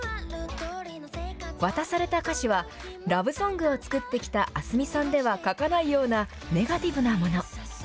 渡された歌詞は、ラブソングを作ってきたａｓｍｉさんでは書かないようなネガティブなもの。